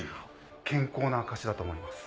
健康の証しだと思います。